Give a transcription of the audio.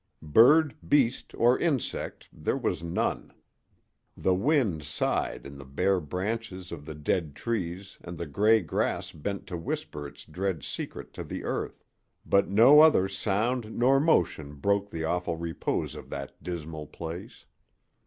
Bird, beast, or insect there was none. The wind sighed in the bare branches of the dead trees and the gray grass bent to whisper its dread secret to the earth; but no other sound nor motion broke the awful repose of that dismal place.